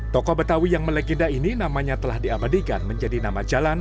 toko betawi yang melegenda ini namanya telah diabadikan menjadi nama jalan